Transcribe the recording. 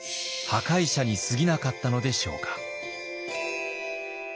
破壊者にすぎなかったのでしょうか？